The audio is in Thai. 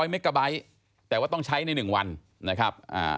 เมกาไบท์แต่ว่าต้องใช้ใน๑วันนะครับ